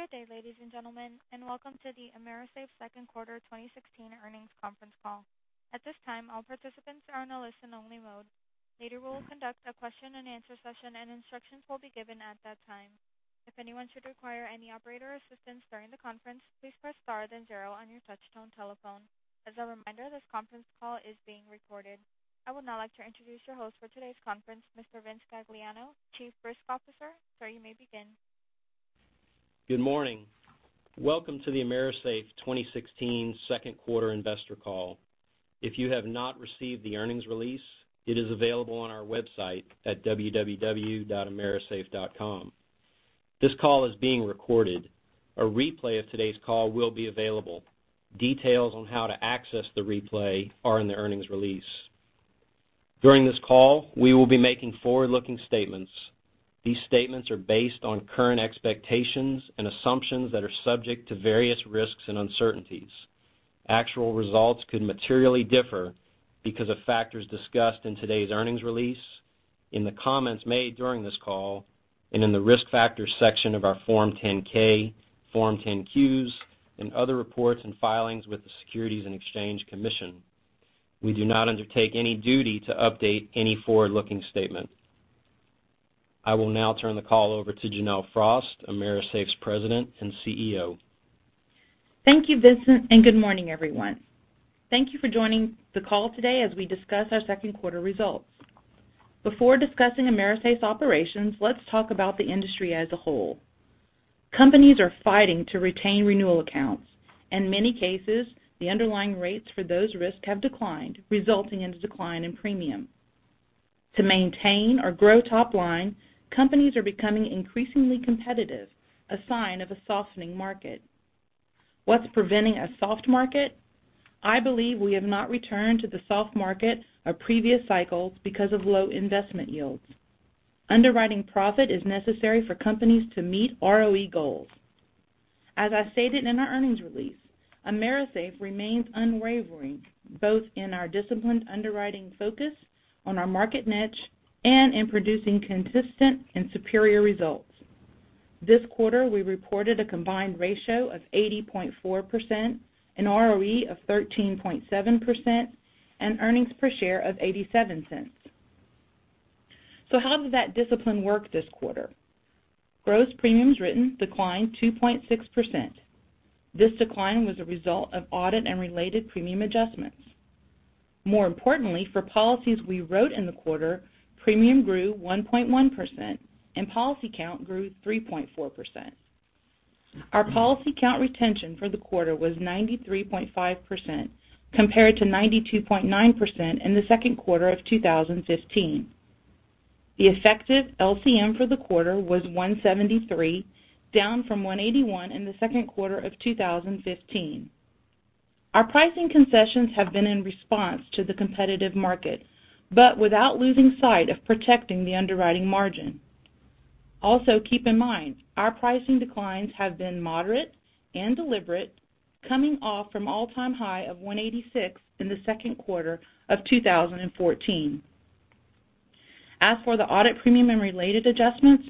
Good day, ladies and gentlemen, and welcome to the AMERISAFE second quarter 2016 earnings conference call. At this time, all participants are in a listen-only mode. Later, we will conduct a question and answer session, and instructions will be given at that time. If anyone should require any operator assistance during the conference, please press star then zero on your touch-tone telephone. As a reminder, this conference call is being recorded. I would now like to introduce your host for today's conference, Mr. Vince Gagliano, Chief Risk Officer. Sir, you may begin. Good morning. Welcome to the AMERISAFE 2016 second quarter investor call. If you have not received the earnings release, it is available on our website at www.amerisafe.com. This call is being recorded. A replay of today's call will be available. Details on how to access the replay are in the earnings release. During this call, we will be making forward-looking statements. These statements are based on current expectations and assumptions that are subject to various risks and uncertainties. Actual results could materially differ because of factors discussed in today's earnings release, in the comments made during this call, and in the Risk Factors section of our Form 10-K, Form 10-Q, and other reports and filings with the Securities and Exchange Commission. We do not undertake any duty to update any forward-looking statement. I will now turn the call over to Janelle Frost, AMERISAFE's President and CEO. Thank you, Vincent, and good morning, everyone. Thank you for joining the call today as we discuss our second quarter results. Before discussing AMERISAFE's operations, let's talk about the industry as a whole. Companies are fighting to retain renewal accounts. In many cases, the underlying rates for those risks have declined, resulting in a decline in premium. To maintain or grow top line, companies are becoming increasingly competitive, a sign of a softening market. What's preventing a soft market? I believe we have not returned to the soft market or previous cycles because of low investment yields. Underwriting profit is necessary for companies to meet ROE goals. As I stated in our earnings release, AMERISAFE remains unwavering, both in our disciplined underwriting focus on our market niche and in producing consistent and superior results. This quarter, we reported a combined ratio of 80.4%, an ROE of 13.7%, and earnings per share of $0.87. How did that discipline work this quarter? Gross premiums written declined 2.6%. This decline was a result of audit and related premium adjustments. More importantly, for policies we wrote in the quarter, premium grew 1.1%, and policy count grew 3.4%. Our policy count retention for the quarter was 93.5%, compared to 92.9% in the second quarter of 2015. The effective LCM for the quarter was 173, down from 181 in the second quarter of 2015. Our pricing concessions have been in response to the competitive market, but without losing sight of protecting the underwriting margin. Also, keep in mind, our pricing declines have been moderate and deliberate, coming off from all-time high of 186 in the second quarter of 2014. As for the audit premium and related adjustments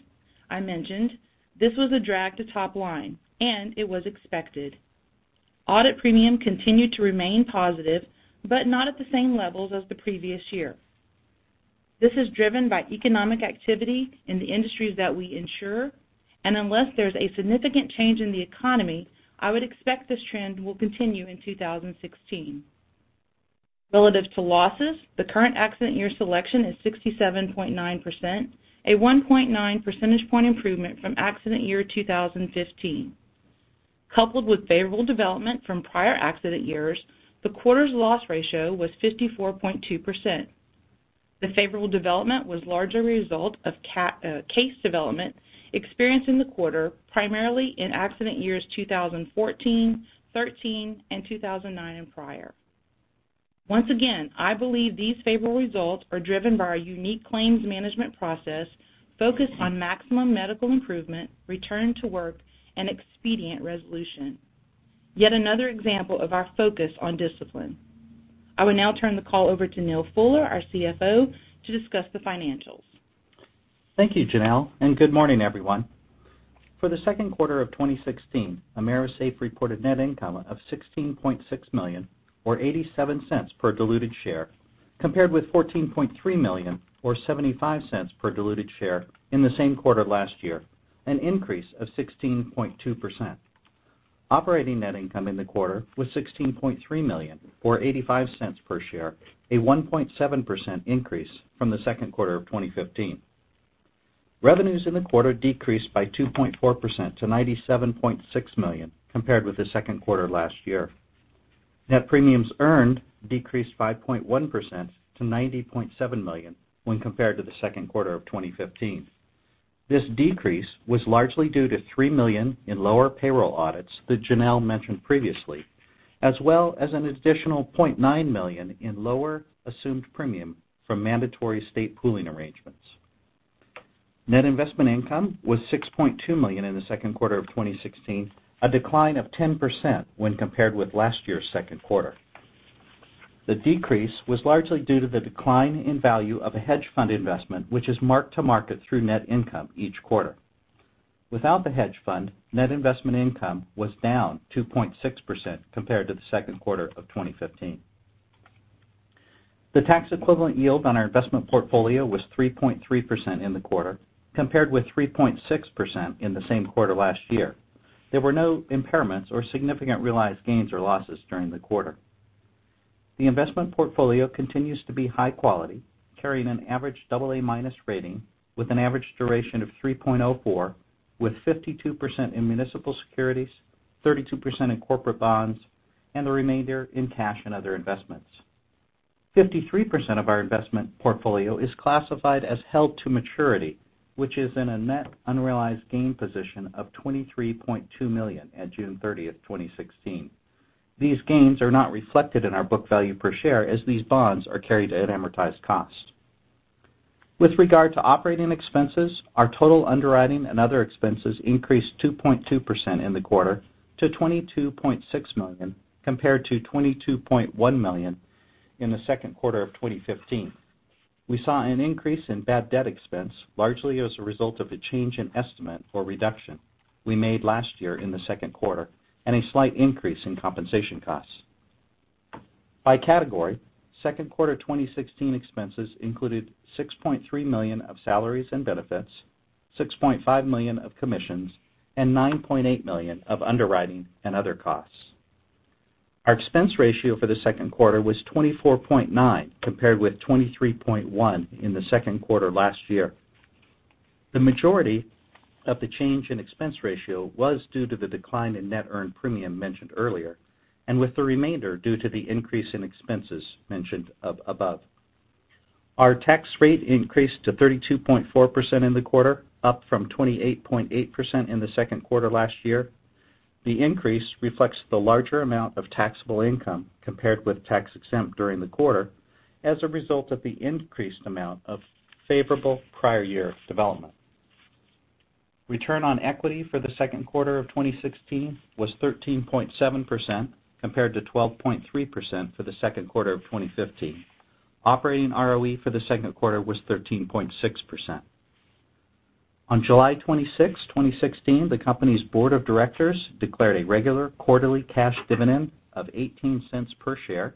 I mentioned, this was a drag to top line, and it was expected. Audit premium continued to remain positive, but not at the same levels as the previous year. This is driven by economic activity in the industries that we insure, and unless there's a significant change in the economy, I would expect this trend will continue in 2016. Relative to losses, the current accident year selection is 67.9%, a 1.9 percentage point improvement from accident year 2015. Coupled with favorable development from prior accident years, the quarter's loss ratio was 54.2%. The favorable development was largely a result of case development experienced in the quarter, primarily in accident years 2014, 2013, and 2009 and prior. Once again, I believe these favorable results are driven by our unique claims management process focused on maximum medical improvement, return to work, and expedient resolution. Yet another example of our focus on discipline. I will now turn the call over to Neal Fuller, our CFO, to discuss the financials. Thank you, Janelle, and good morning, everyone. For the second quarter of 2016, AMERISAFE reported net income of $16.6 million, or $0.87 per diluted share, compared with $14.3 million, or $0.75 per diluted share in the same quarter last year, an increase of 16.2%. Operating net income in the quarter was $16.3 million, or $0.85 per share, a 1.7% increase from the second quarter of 2015. Revenues in the quarter decreased by 2.4% to $97.6 million compared with the second quarter last year. Net premiums earned decreased 5.1% to $90.7 million when compared to the second quarter of 2015. This decrease was largely due to $3 million in lower payroll audits that Janelle mentioned previously, as well as an additional $0.9 million in lower assumed premium from mandatory state pooling arrangements. Net investment income was $6.2 million in the second quarter of 2016, a decline of 10% when compared with last year's second quarter. The decrease was largely due to the decline in value of a hedge fund investment, which is marked to market through net income each quarter. Without the hedge fund, net investment income was down 2.6% compared to the second quarter of 2015. The tax-equivalent yield on our investment portfolio was 3.3% in the quarter, compared with 3.6% in the same quarter last year. There were no impairments or significant realized gains or losses during the quarter. The investment portfolio continues to be high quality, carrying an average double A-minus rating with an average duration of 3.04, with 52% in municipal securities, 32% in corporate bonds and the remainder in cash and other investments. 53% of our investment portfolio is classified as held to maturity, which is in a net unrealized gain position of $23.2 million at June 30th, 2016. These gains are not reflected in our book value per share, as these bonds are carried at amortized cost. With regard to operating expenses, our total underwriting and other expenses increased 2.2% in the quarter to $22.6 million, compared to $22.1 million in the second quarter of 2015. We saw an increase in bad debt expense, largely as a result of a change in estimate for a reduction we made last year in the second quarter, and a slight increase in compensation costs. By category, second quarter 2016 expenses included $6.3 million of salaries and benefits, $6.5 million of commissions, and $9.8 million of underwriting and other costs. Our expense ratio for the second quarter was 24.9%, compared with 23.1% in the second quarter last year. The majority of the change in expense ratio was due to the decline in net earned premium mentioned earlier, and with the remainder due to the increase in expenses mentioned above. Our tax rate increased to 32.4% in the quarter, up from 28.8% in the second quarter last year. The increase reflects the larger amount of taxable income compared with tax-exempt during the quarter as a result of the increased amount of favorable prior year development. Return on equity for the second quarter of 2016 was 13.7%, compared to 12.3% for the second quarter of 2015. Operating ROE for the second quarter was 13.6%. On July 26, 2016, the company's board of directors declared a regular quarterly cash dividend of $0.18 per share,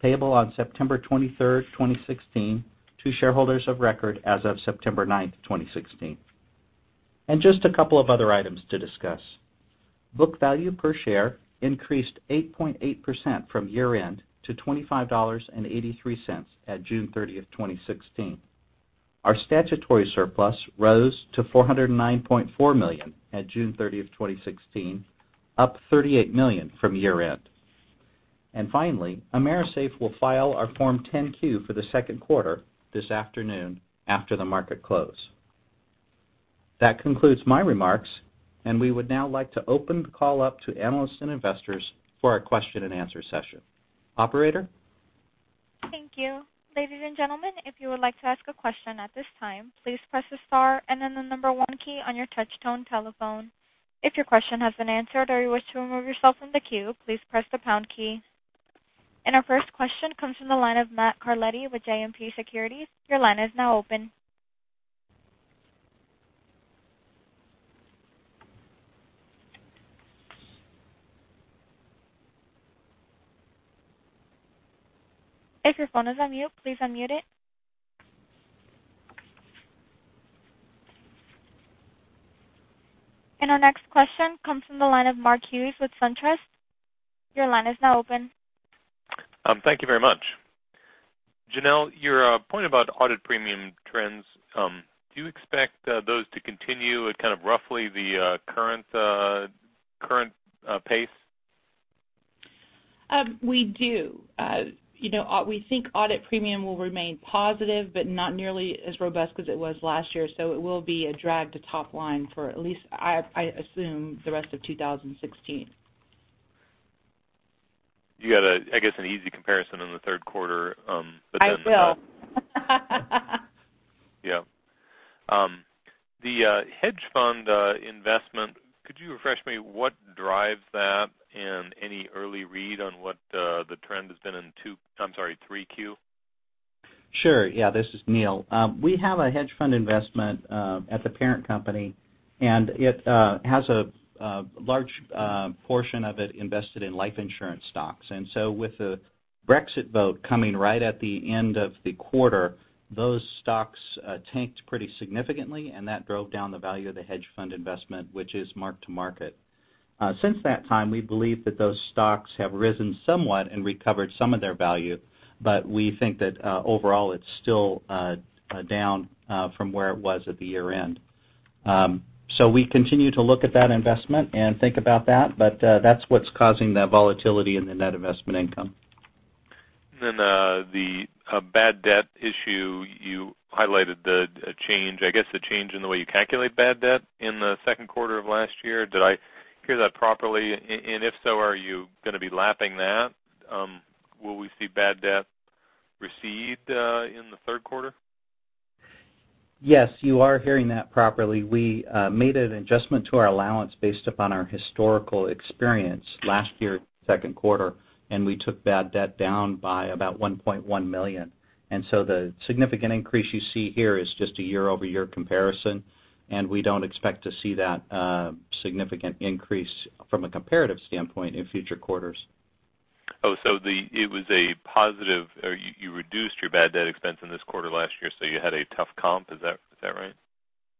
payable on September 23rd, 2016 to shareholders of record as of September 9th, 2016. Just a couple of other items to discuss. Book value per share increased 8.8% from year-end to $25.83 at June 30th, 2016. Our statutory surplus rose to $409.4 million at June 30th, 2016, up $38 million from year-end. Finally, AMERISAFE will file our Form 10-Q for the second quarter this afternoon after the market close. That concludes my remarks, and we would now like to open the call up to analysts and investors for our question and answer session. Operator? Thank you. Ladies and gentlemen, if you would like to ask a question at this time, please press the star and then the number one key on your touch tone telephone. If your question has been answered or you wish to remove yourself from the queue, please press the pound key. Our first question comes from the line of Matt Carletti with JMP Securities. Your line is now open. If your phone is on mute, please unmute it. Our next question comes from the line of Mark Hughes with SunTrust. Your line is now open. Thank you very much. Janelle, your point about audit premium trends, do you expect those to continue at kind of roughly the current pace? We do. We think audit premium will remain positive, but not nearly as robust as it was last year. It will be a drag to top line for at least, I assume, the rest of 2016. You got, I guess, an easy comparison in the third quarter. I will. The hedge fund investment, could you refresh me what drives that and any early read on what the trend has been in three Q? This is Neal. We have a hedge fund investment at the parent company, it has a large portion of it invested in life insurance stocks. With the Brexit vote coming right at the end of the quarter, those stocks tanked pretty significantly, that drove down the value of the hedge fund investment, which is mark-to-market. Since that time, we believe that those stocks have risen somewhat and recovered some of their value. We think that overall it's still down from where it was at the year-end. We continue to look at that investment and think about that's what's causing the volatility in the net investment income. The bad debt issue, you highlighted a change, a change in the way you calculate bad debt in the second quarter of last year. Did I hear that properly? If so, are you going to be lapping that? Will we see bad debt recede in the third quarter? You are hearing that properly. We made an adjustment to our allowance based upon our historical experience last year, second quarter, we took bad debt down by about $1.1 million. The significant increase you see here is just a year-over-year comparison, we don't expect to see that significant increase from a comparative standpoint in future quarters. Oh, so it was a positive, or you reduced your bad debt expense in this quarter last year, so you had a tough comp. Is that right?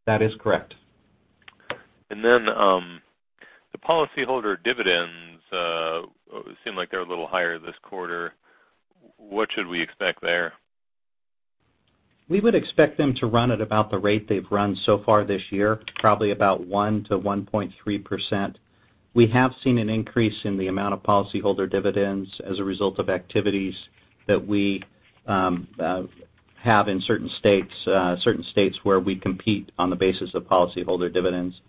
That is correct. The policyholder dividends, seem like they're a little higher this quarter. What should we expect there? We would expect them to run at about the rate they've run so far this year, probably about 1% to 1.3%. We have seen an increase in the amount of policyholder dividends as a result of activities that we have in certain states where we compete on the basis of policyholder dividends.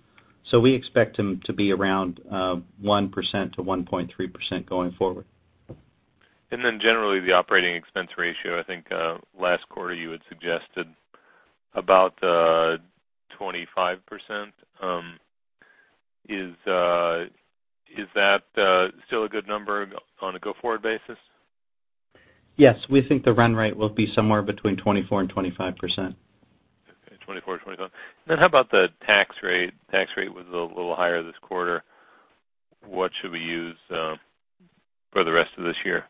We expect them to be around 1% to 1.3% going forward. Generally, the operating expense ratio, I think, last quarter you had suggested about 25%. Is that still a good number on a go-forward basis? Yes. We think the run rate will be somewhere between 24% and 25%. Okay. 24%, 25%. How about the tax rate? Tax rate was a little higher this quarter. What should we use for the rest of this year?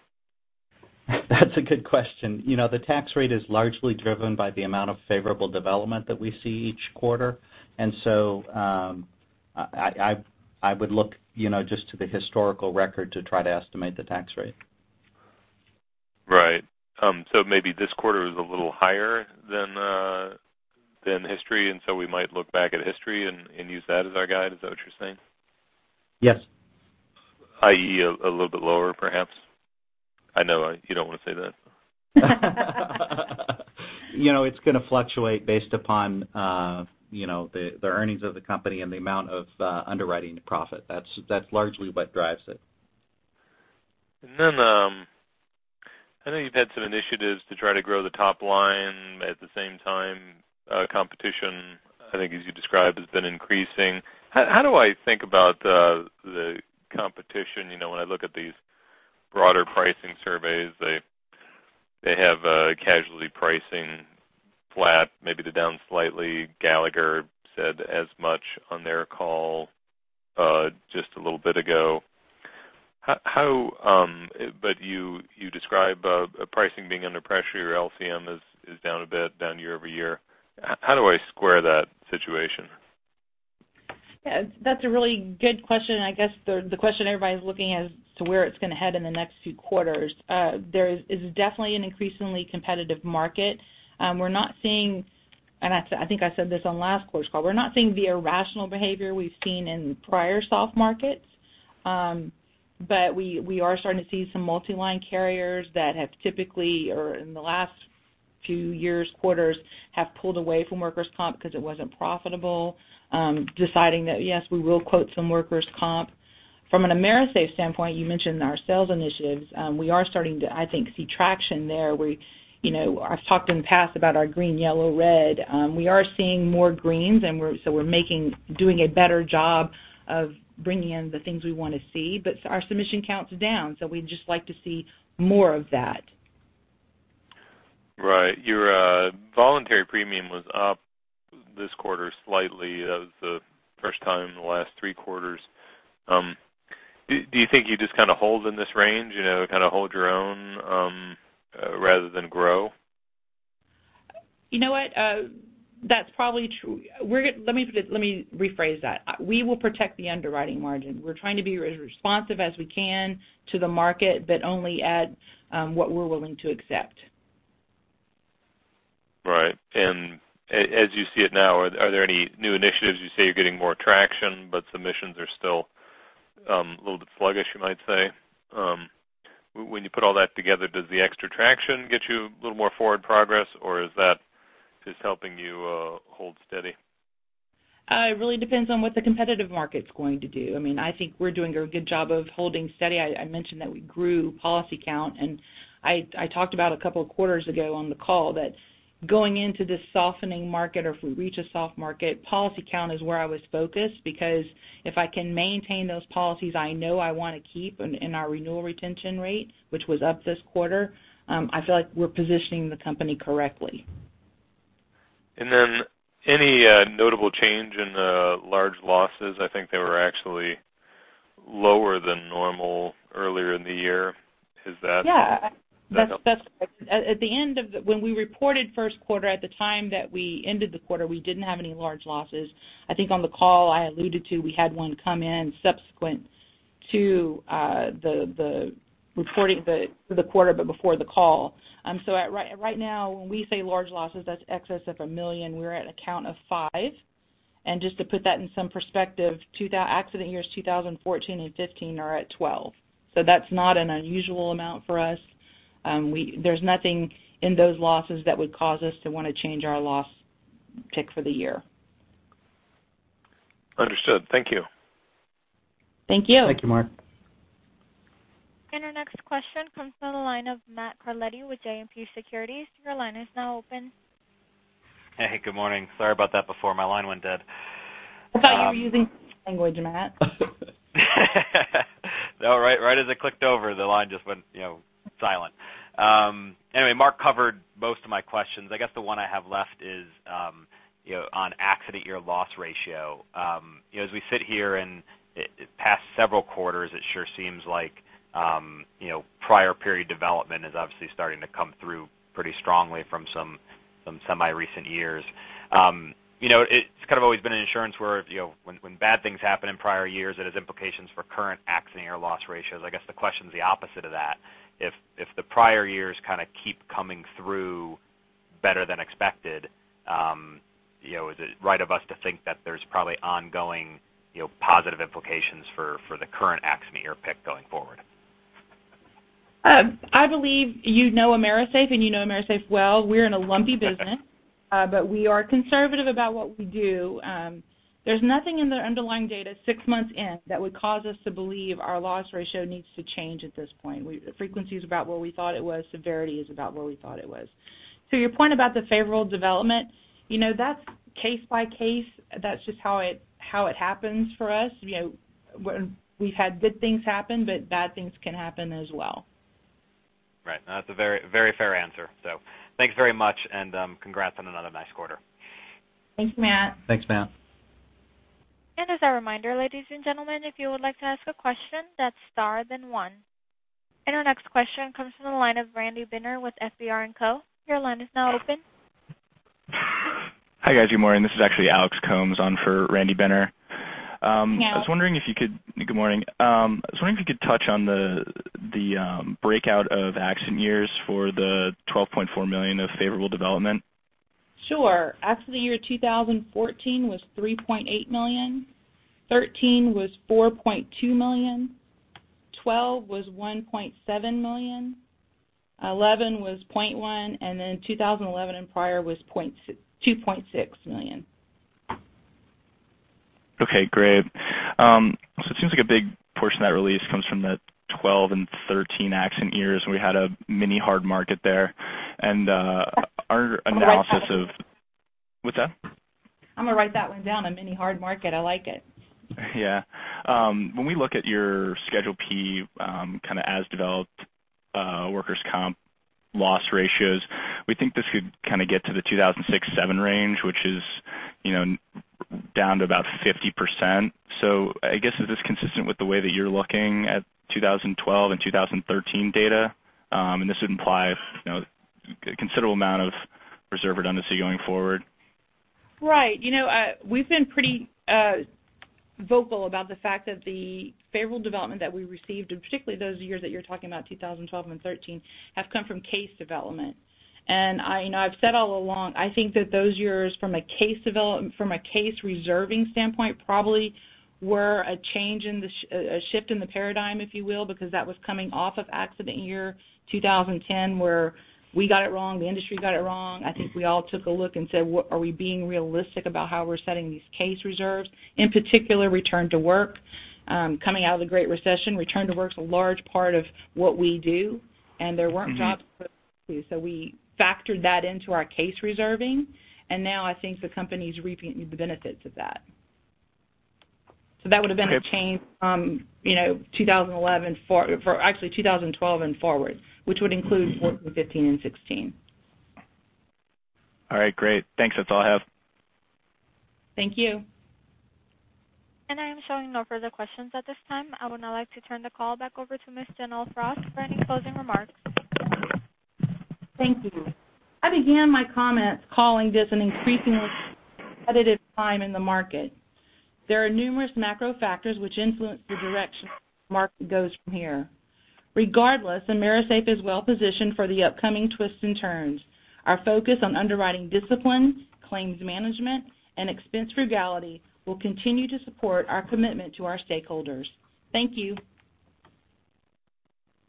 That's a good question. The tax rate is largely driven by the amount of favorable development that we see each quarter. I would look just to the historical record to try to estimate the tax rate. Right. Maybe this quarter is a little higher than history, and so we might look back at history and use that as our guide. Is that what you're saying? Yes. I.e., a little bit lower, perhaps? I know you don't want to say that. It's going to fluctuate based upon the earnings of the company and the amount of underwriting profit. That's largely what drives it. I know you've had some initiatives to try to grow the top line. At the same time, competition, I think as you described, has been increasing. How do I think about the competition? When I look at these broader pricing surveys, they have casualty pricing flat, maybe they're down slightly. Gallagher said as much on their call just a little bit ago. You describe pricing being under pressure, your LCM is down a bit, down year-over-year. How do I square that situation? Yeah, that's a really good question. I guess the question everybody's looking as to where it's going to head in the next few quarters. There is definitely an increasingly competitive market. We're not seeing, and I think I said this on last quarter's call, we're not seeing the irrational behavior we've seen in prior soft markets. We are starting to see some multi-line carriers that have typically, or in the last few years, quarters, have pulled away from workers' comp because it wasn't profitable, deciding that, yes, we will quote some workers' comp. From an AMERISAFE standpoint, you mentioned our sales initiatives. We are starting to, I think, see traction there. I've talked in the past about our green, yellow, red. We are seeing more greens, so we're doing a better job of bringing in the things we want to see. Our submission count's down. We'd just like to see more of that. Right. Your voluntary premium was up this quarter slightly. That was the first time in the last three quarters. Do you think you just kind of hold in this range, kind of hold your own, rather than grow? You know what? That's probably true. Let me rephrase that. We will protect the underwriting margin. We're trying to be as responsive as we can to the market. Only at what we're willing to accept. Right. As you see it now, are there any new initiatives? You say you're getting more traction, but submissions are still a little bit sluggish, you might say. When you put all that together, does the extra traction get you a little more forward progress, or is that just helping you hold steady? It really depends on what the competitive market's going to do. I think we're doing a good job of holding steady. I mentioned that we grew policy count, and I talked about a couple of quarters ago on the call that going into this softening market, or if we reach a soft market, policy count is where I was focused because if I can maintain those policies I know I want to keep in our renewal retention rates, which was up this quarter, I feel like we're positioning the company correctly. Any notable change in the large losses? I think they were actually lower than normal earlier in the year. Yeah. That help? At the end of when we reported first quarter, at the time that we ended the quarter, we didn't have any large losses. I think on the call I alluded to, we had one come in subsequent to the quarter, but before the call. Right now, when we say large losses, that's excess of $1 million. We're at a count of five. Just to put that in some perspective, accident years 2014 and 2015 are at 12. That's not an unusual amount for us. There's nothing in those losses that would cause us to want to change our loss pick for the year. Understood. Thank you. Thank you. Thank you, Mark. Our next question comes from the line of Matt Carletti with JMP Securities. Your line is now open. Hey. Good morning. Sorry about that before, my line went dead. I thought you were using language, Matt. Right as I clicked over, the line just went silent. Anyway, Mark covered most of my questions. I guess the one I have left is on accident year loss ratio. As we sit here and past several quarters, it sure seems like prior period development is obviously starting to come through pretty strongly from some semi-recent years. It's kind of always been an insurance where when bad things happen in prior years, it has implications for current accident year loss ratios. I guess the question's the opposite of that. If the prior years kind of keep coming through better than expected, is it right of us to think that there's probably ongoing positive implications for the current accident year loss pick going forward? I believe you know AMERISAFE, and you know AMERISAFE well. We're in a lumpy business. We are conservative about what we do. There's nothing in the underlying data six months in that would cause us to believe our loss ratio needs to change at this point. The frequency's about where we thought it was, severity is about where we thought it was. To your point about the favorable development, that's case by case. That's just how it happens for us. We've had good things happen, but bad things can happen as well. Right. No, that's a very fair answer. Thanks very much, and congrats on another nice quarter. Thanks, Matt. Thanks, Matt. As a reminder, ladies and gentlemen, if you would like to ask a question, that's star then one. Our next question comes from the line of Randy Binner with FBR & Co. Your line is now open. Hi, guys. Good morning. This is actually Alex Combs on for Randy Binner. Yeah. Good morning. I was wondering if you could touch on the breakout of accident years for the $12.4 million of favorable development. Sure. Accident year 2014 was $3.8 million. 2013 was $4.2 million. 2012 was $1.7 million. 2011 was $0.1 million. Then 2011 and prior was $2.6 million. Okay, great. It seems like a big portion of that release comes from the 2012 and 2013 accident years, when we had a mini hard market there. I'm going to write that. What's that? I'm going to write that one down, a mini hard market. I like it. When we look at your Schedule P kind of as developed workers' comp loss ratios, we think this could kind of get to the 2006-2007 range, which is down to about 50%. I guess, is this consistent with the way that you're looking at 2012 and 2013 data? This would imply a considerable amount of reserve redundancy going forward. Right. We've been pretty vocal about the fact that the favorable development that we received, and particularly those years that you're talking about, 2012 and 2013, have come from case development. I've said all along, I think that those years from a case reserving standpoint probably were a shift in the paradigm, if you will, because that was coming off of accident year 2010, where we got it wrong, the industry got it wrong. I think we all took a look and said, "Are we being realistic about how we're setting these case reserves?" In particular, return to work. Coming out of the Great Recession, return to work's a large part of what we do, and there weren't jobs to go to, so we factored that into our case reserving, and now I think the company's reaping the benefits of that. Okay. That would've been a change from 2011, actually 2012 and forward, which would include 2014, 2015, and 2016. All right, great. Thanks. That's all I have. Thank you. I am showing no further questions at this time. I would now like to turn the call back over to Ms. Janelle Frost for any closing remarks. Thank you. I began my comments calling this an increasingly competitive time in the market. There are numerous macro factors which influence the direction the market goes from here. Regardless, AMERISAFE is well-positioned for the upcoming twists and turns. Our focus on underwriting discipline, claims management, and expense frugality will continue to support our commitment to our stakeholders. Thank you.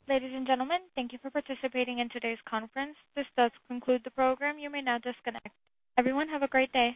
Ladies and gentlemen, thank you for participating in today's conference. This does conclude the program. You may now disconnect. Everyone, have a great day.